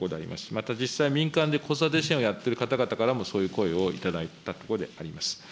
また実際、民間で子育て支援をやっている方々からもそういう声を頂いたところであります。